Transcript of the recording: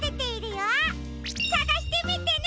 さがしてみてね！